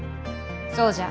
そうじゃ。